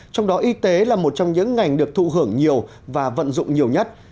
trong đó y tế là một trong những ngành được thụ hưởng nhiều và vận dụng nhiều nhất